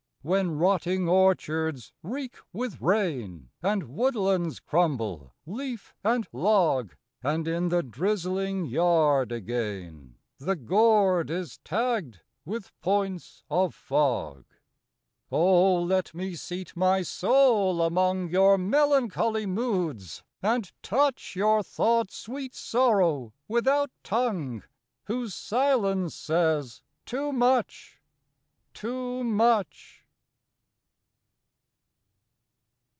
When rotting orchards reek with rain; And woodlands crumble, leaf and log; And in the drizzling yard again The gourd is tagged with points of fog. Oh, let me seat my soul among Your melancholy moods! and touch Your thoughts' sweet sorrow without tongue, Whose silence says too much, too much!